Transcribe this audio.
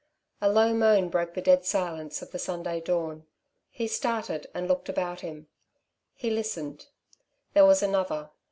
A low moan broke the dead silence of the Sunday dawn. He started and looked about him. He listened. There was another.